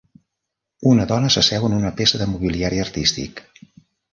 Una dona s'asseu en una peça de mobiliari artístic.